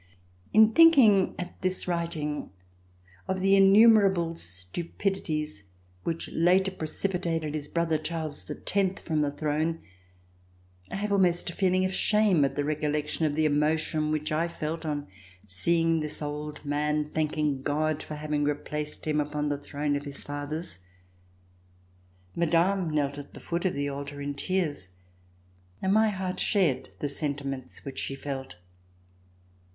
In thinking at this writing of the innumerable stupidities which later precipitated his brother, Charles X, from the throne, I have almost a feel ing of shame at the recollection of the emotion which I felt on seeing this old man thanking God for having replaced him upon the throne of his fathers. Madame knelt at the foot of the altar, in tears, and my heart shared the sentiments which she felt.